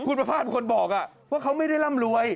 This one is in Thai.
คุณประพาทเป็นคนบอกว่าเขาไม่ได้ร่ำรวย